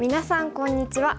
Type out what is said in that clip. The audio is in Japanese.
こんにちは。